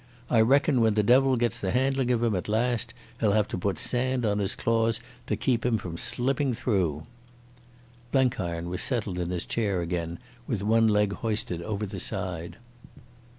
I reckon when the devil gets the handling of him at last he'll have to put sand on his claws to keep him from slipping through." Blenkiron was settled in his chair again, with one leg hoisted over the side.